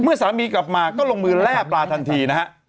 สามีกลับมาก็ลงมือแร่ปลาทันทีนะฮะ